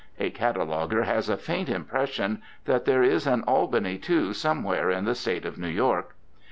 (A cataloguer has a faint impression that there is an Albany, too, somewhere in the State of New York.)